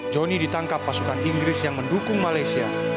johnny ditangkap pasukan inggris yang mendukung malaysia